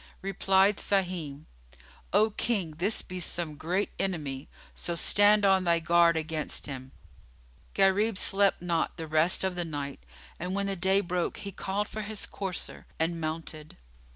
Replied Sahim, "O King, this be some great enemy; so stand on thy guard against him." Gharib slept not the rest of the night and, when the day broke, he called for his courser and mounted.